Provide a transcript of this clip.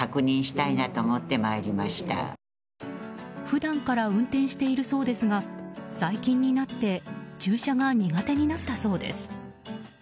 普段から運転しているそうですが最近になって駐車が苦手になったそうです。